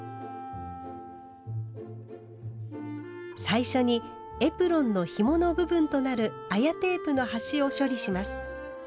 最初にエプロンのひもの部分となる綾テープの端を処理します。